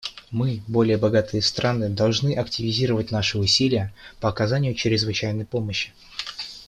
Мы, более богатые страны, должны активизировать наши усилия по оказанию чрезвычайной помощи.